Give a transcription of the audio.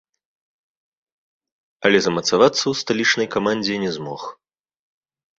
Але замацавацца ў сталічнай камандзе не змог.